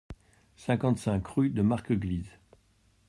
cinquante-cinq rue de Marqueglise